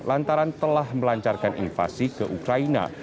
lantaran telah melancarkan invasi ke ukraina